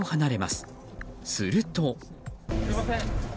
すると。